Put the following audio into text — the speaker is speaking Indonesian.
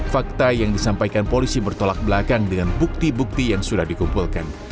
fakta yang disampaikan polisi bertolak belakang dengan bukti bukti yang sudah dikumpulkan